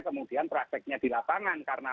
kemudian prakteknya di lapangan karena